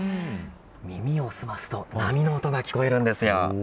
耳を澄ますと波の音が聞こえるんです。